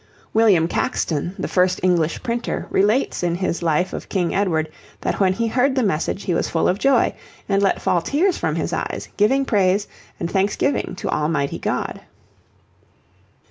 William Caxton, the first English printer, relates in his life of King Edward that when he heard the message he was full of joy and let fall tears from his eyes, giving praise and thanksgiving to Almighty God.